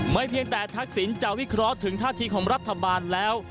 เพียงแต่ทักษิณจะวิเคราะห์ถึงท่าทีของรัฐบาลแล้ว